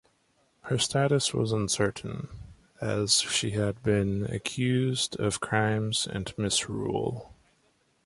Her status was uncertain, as she had been accused of crimes and misrule.